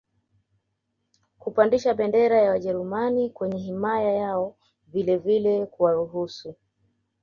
kupandisha bendera ya wajerumani kwenye himaya yao vilevile kuwaruhusu